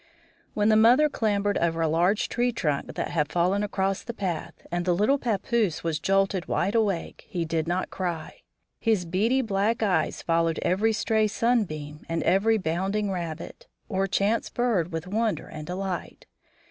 When the mother clambered over a large tree trunk that had fallen across the path and the little pappoose was jolted wide awake, he did not cry. His beady black eyes followed every stray sunbeam and every bounding rabbit, or chance bird with wonder and delight.